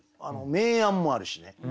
明暗もあるしね